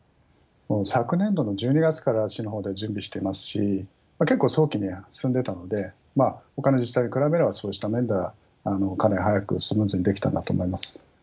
昨年度の１２月から市のほうでは準備していますし、結構、早期に進んでたんで、ほかの自治体に比べれば、そうした面では、かなり早くスムーズにできたんだと思います。